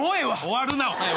終わるな。